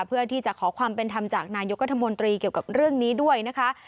เพื่อที่จะขอความเป็นธรรมจากนายกรัฐมนตรีเกี่ยวกับเรื่องนี้ด้วยนะคะ